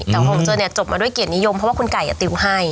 แต่ของเธอเนี่ยจบมาด้วยเกียรตินิยมเพราะว่าคุณไก่ติวให้